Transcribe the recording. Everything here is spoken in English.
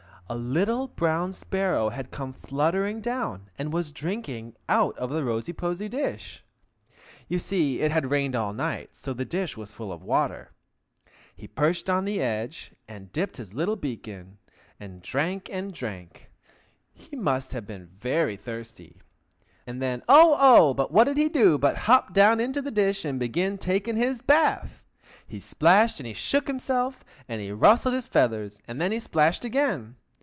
A little brown sparrow had come fluttering down, and was drinking out of the rosy posy dish. (You see, it had rained all night, so the dish was full of water.) He perched on the edge, and dipped his little beak in, and drank and drank; he must have been very thirsty. And then—oh! oh! what did he do but hop down into the dish, and begin taking his bath! He splashed, and he shook himself, and rustled his feathers, and then he splashed again.